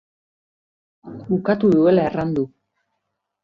Bukatu duela erran du.